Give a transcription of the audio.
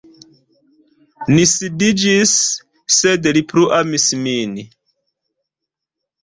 Ni disiĝis, sed li plu amis min.